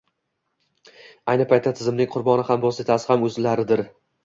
ayni paytda tizimning qurboni ham vositasi ham o‘zlaridir.